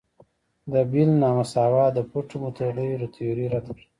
د بیل نا مساوات د پټو متغیرو تیوري رد کړه.